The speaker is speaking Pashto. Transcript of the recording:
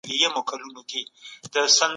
هر سړی د خپل نظر څرګندولو حق لري.